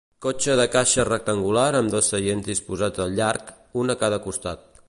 Cotxe de caixa rectangular amb dos seients disposats al llarg, un a cada costat.